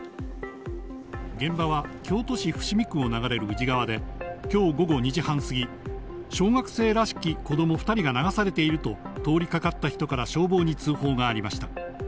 現場は京都市伏見区を流れる宇治川で、きょう午後２時半過ぎ、小学生らしき子ども２人が流されていると、通りかかった人から消防に通報がありました。